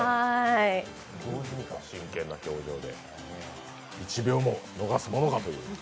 真剣な表情で１秒も逃すものかという。